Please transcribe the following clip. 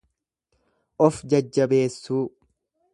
Of jajjabeessuu.